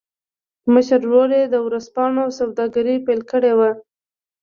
مشر ورور يې د ورځپاڼو سوداګري پیل کړې وه